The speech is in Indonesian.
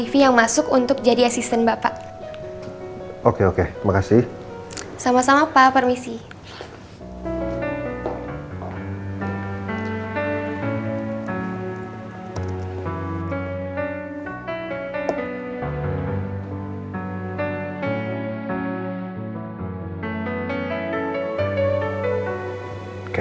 dia juga bekerja sama bapak